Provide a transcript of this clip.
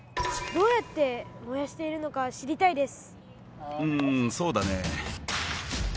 どうやって燃やしているのか知りたいです。